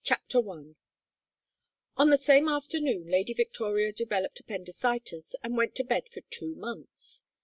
PART III 1906 I On the same afternoon Lady Victoria developed appendicitis and went to bed for two months.